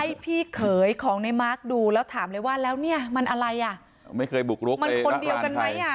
ให้พี่เขยของในมาร์คดูแล้วถามเลยว่าแล้วเนี่ยมันอะไรอ่ะไม่เคยบุกรุกมันคนเดียวกันไหมอ่ะ